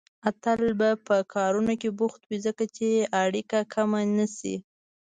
اتل به په کارونو کې بوخت وي، ځکه چې اړيکه کمه نيسي.